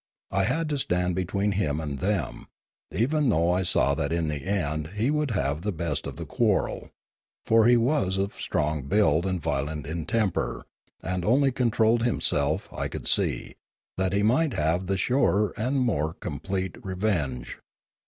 I had to stand between him and them, even though I saw that in the end he would have the best of the quarrel; for he was strong of build and violent in temper, and only controlled himself, I could see, that he might have the surer and more complete re venge.